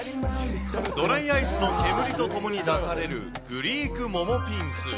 ドライアイスの煙とともに出されるグリークモモピンス。